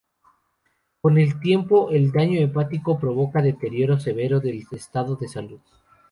Con el tiempo el daño hepático provoca deterioro severo del estado de salud.